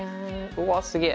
うわすげえ！